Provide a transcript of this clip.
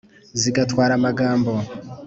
Zigatwara amagambo;